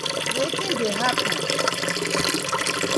Wetin dey happen?